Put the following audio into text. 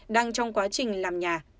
đang trong quá trình làm nhà